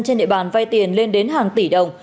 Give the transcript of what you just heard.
trên địa bàn vay tiền lên đến hàng tỷ đồng